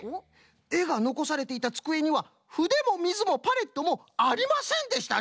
えがのこされていたつくえにはふでもみずもパレットもありませんでしたぞ！